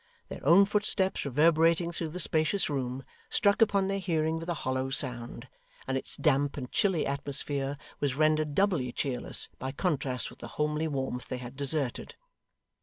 Their own footsteps, reverberating through the spacious room, struck upon their hearing with a hollow sound; and its damp and chilly atmosphere was rendered doubly cheerless by contrast with the homely warmth they had deserted.